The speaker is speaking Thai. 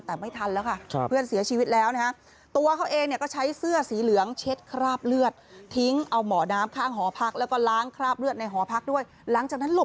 แต่ไม่ทันแล้วค่ะเพื่อนเสียชีวิตแล้วนะ